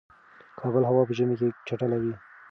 کابل هوا په ژمی کی چټله وی